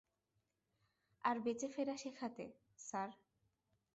আর বেঁচে ফেরা শেখাতে, স্যার।